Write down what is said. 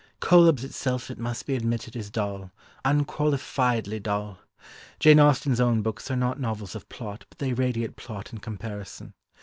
Cœlebs itself it must be admitted is dull, unqualifiedly dull. Jane Austen's own books are not novels of plot, but they radiate plot in comparison.